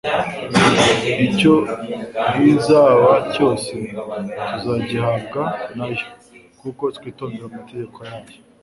"Icyo hizasaba cyose tuzagihabwa na yo kuko twitondera amategeko yayo